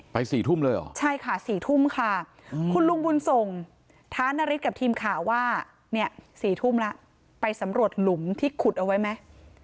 ๔ทุ่มเลยเหรอใช่ค่ะ๔ทุ่มค่ะคุณลุงบุญส่งท้านริสกับทีมข่าวว่าเนี่ย๔ทุ่มแล้วไปสำรวจหลุมที่ขุดเอาไว้ไหม